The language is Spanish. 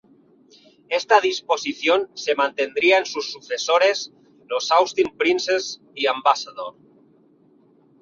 Esta disposición se mantendría en sus sucesores los Austin Princess y Ambassador.